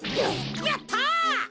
やった！